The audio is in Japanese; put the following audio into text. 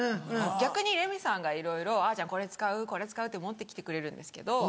逆にレミさんがいろいろあっじゃあこれ使う？って持って来てくれるんですけど。